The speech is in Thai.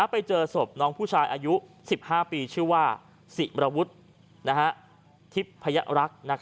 ไปเจอสภพน้องผู้ชายอายุ๑๕ปีชื่อว่าศรีมระวุฒิภัยรักษ์